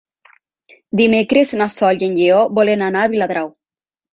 Dimecres na Sol i en Lleó volen anar a Viladrau.